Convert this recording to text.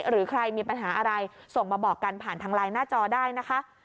หรือใครมีปัญหาอะไรส่งมาบอกกันผ่านทางไลน์หน้าจอได้นะคะ